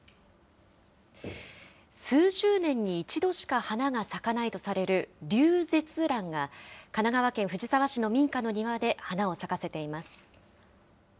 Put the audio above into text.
数十年に１度しか花が咲かないとされるリュウゼツランが、神奈川県藤沢市の民家の庭で花を咲かせています。